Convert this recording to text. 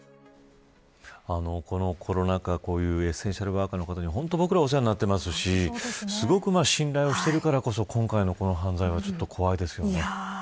コロナ禍、こういうエッセンシャルワーカーの方に僕らお世話になっていますしすごく信頼しているからこそ今回の犯罪は怖いですよね。